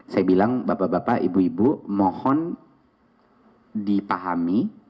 saya bilang bapak bapak ibu ibu mohon dipahami